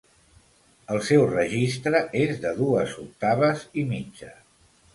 El seu registre és de dues octaves i mitja.